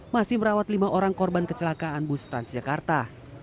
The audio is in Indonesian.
masih merawat lima orang korban kecelakaan bus transjakarta